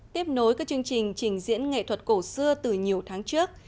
tiếp nối các chương trình trình diễn nghệ thuật cổ xưa từ nhiều tháng trước